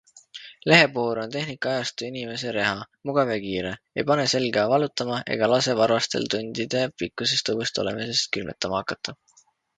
Lehepuhur on tehnikaajastu inimese reha - mugav ja kiire, ei pane selga valutama ega lase varvastel tundide pikkusest õues olemisest külmetama hakata.